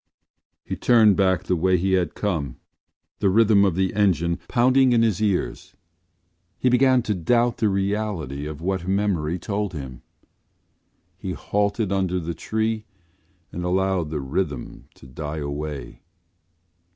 He turned back the way he had come, the rhythm of the engine pounding in his ears. He began to doubt the reality of what memory told him. He halted under a tree and allowed the rhythm to die away.